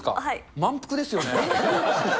満腹ですよね。